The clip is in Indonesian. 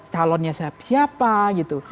calonnya siapa gitu